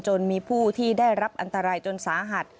จนมีผู้ที่ได้รับอันตรายจนสาหัส